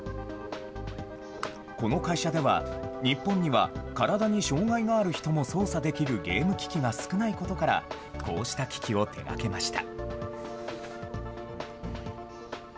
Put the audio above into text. この会社では、日本には体に障害がある人も操作できるゲーム機器が少ないことから、こうした機器を手がけました。